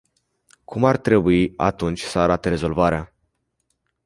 Cum ar trebui, atunci, să arate rezolvarea?